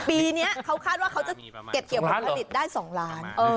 ปีนี้เขาคาดว่าเขาจะเก็บเกี่ยวผลผลิตได้๒ล้าน